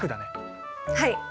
はい。